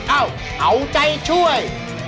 เอ้าเอาใจช่วย